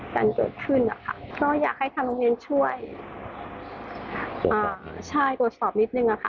กันเกิดขึ้นนะคะก็อยากให้ทางโรงเรียนช่วยอ่าใช่ตรวจสอบนิดนึงอะค่ะ